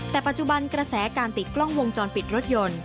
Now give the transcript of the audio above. แต่ปัจจุบันกระแสการติดกล้องวงจรปิดรถยนต์